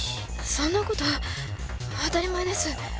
そんなこと当たり前です。